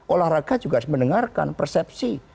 olahraga juga harus mendengarkan persepsi